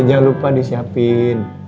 eh jangan lupa disiapin